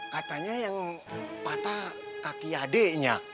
katanya yang patah kaki adiknya